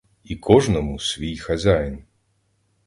І кожному — свій хазяїн.